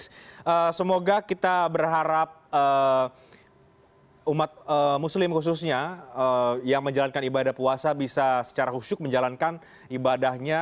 semoga kita berharap umat muslim khususnya yang menjalankan ibadah puasa bisa secara khusyuk menjalankan ibadahnya